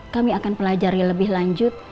kami akan pelajari lebih lanjut